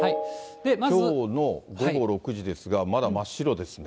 きょうの午後６時ですが、まだ真っ白ですね。